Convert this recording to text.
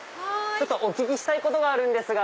お聞きしたいことがあるんですが。